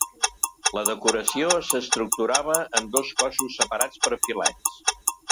La decoració s'estructurava en dos cossos separats per filets.